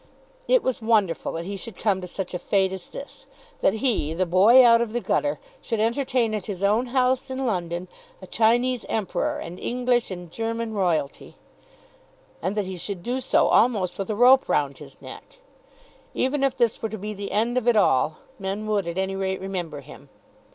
It was wonderful that he should come to such a fate as this; that he, the boy out of the gutter, should entertain at his own house, in London, a Chinese Emperor and English and German Royalty, and that he should do so almost with a rope round his neck. Even if this were to be the end of it all, men would at any rate remember him.